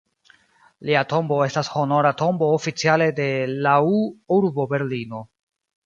Lia tombo estas honora tombo oficiale de lau urbo Berlino.